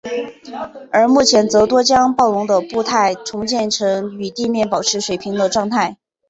而目前则多将暴龙的步态重建成与地面保持水平的状态。